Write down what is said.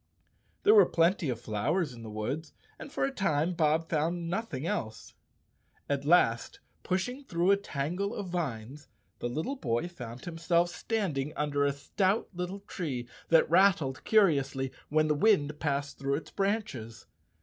There were plenty of flowers in the woods, and for a time Bob found nothing else. At last pushing through a tangle of vines, the little boy found himself standing under a stout little tree that rattled curiously when the wind passed through its branches.